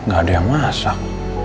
gak ada yang masak